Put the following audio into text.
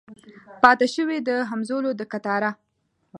پاته شوي د همزولو د کتاره